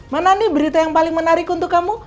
mana nih berita yang paling menarik untuk kamu